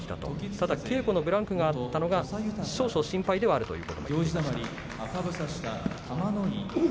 ただ稽古のブランクがあったのが少々心配ではあるということでした。